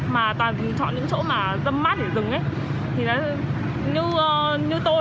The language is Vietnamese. mà toàn dùng chọn những chỗ mà dâm mát để dừng